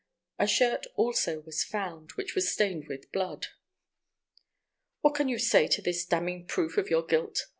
A shirt, also, was found, which was stained with blood. "What can you say to this damning proof of your guilt?"